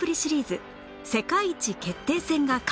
世界一決定戦が開幕！